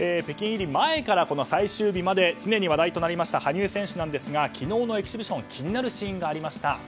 北京入り前から最終日まで常に話題となりました羽生選手ですが昨日のエキシビションで気になるシーンがありました。